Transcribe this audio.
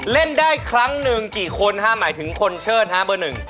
เล่นได้ครั้งหนึ่งกี่คนฮะหมายถึงคนเชิดฮะเบอร์หนึ่ง